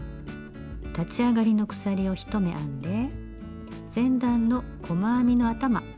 立ち上がりの鎖１目を編んで前段の細編みの頭。